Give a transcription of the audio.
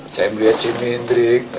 saya melihat jimi hendrix